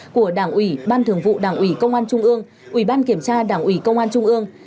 của đảng ủy ban thường vụ đảng ủy công an trung ương ủy ban kiểm tra đảng ủy công an trung ương